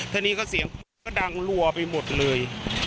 ทีนี้ก็เสียงก็ดังรัวไปหมดเลย